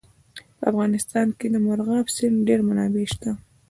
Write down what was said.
په افغانستان کې د مورغاب سیند ډېرې منابع شته.